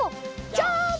ジャンプ！